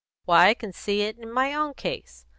Why, I can see it in my own case.